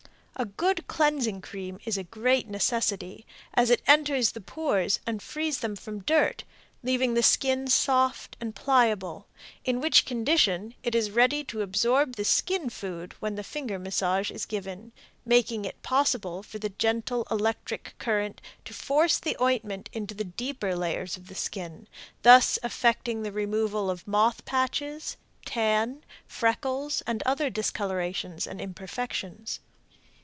A good cleansing cream is a great necessity, as it enters the pores and frees them from dirt, leaving the skin soft and pliable, in which condition it is ready to absorb the skin food when the finger massage is given, making it possible for the gentle electric current to force the ointment into the deeper layers of the skin, thus effecting the removal of moth patches, tan, freckles and other discolorations and imperfections.